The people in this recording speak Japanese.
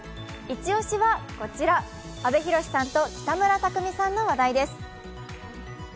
イチ押しはこちら、阿部寛さんと北村匠海さんの話題です。